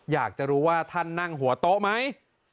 อยากจะรู้ว่าท่านนั่งหัวโต๊ะไหม